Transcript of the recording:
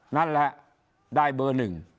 นั่นแหละได้เบอร์๑